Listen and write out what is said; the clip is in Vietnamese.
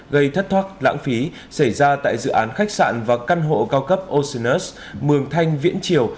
gây thất thoát lãng phí xảy ra tại dự án khách sạn và căn hộ cao cấp osinus mường thanh viễn triều